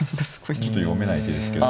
ちょっと読めない手ですけど。